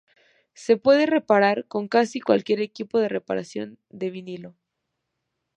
Se pueden reparar con casi cualquier equipo de reparación de vinilo.